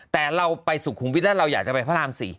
แต่เราไปสุขุมวิทย์แล้วเราอยากจะไปพระราม๔